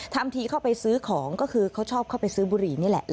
ทำทีเข้าไปซื้อของก็คือเขาชอบเข้าไปซื้อบุหรี่นี่แหละ